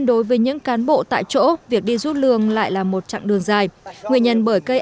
đối với những cán bộ tại chỗ việc đi rút lương lại là một chặng đường dài nguyên nhân bởi cây